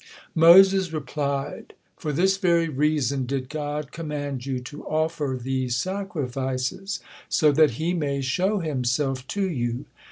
Moses replied: "For this very reason did God command you to offer these sacrifices, so that He may show Himself to you."